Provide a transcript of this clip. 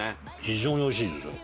非常においしいですよ。